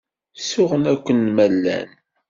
Suɣen akken ma llan.